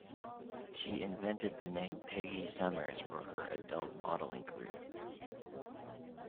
She invented the name Paige Summers for her adult modeling career.